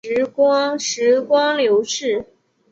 时光流逝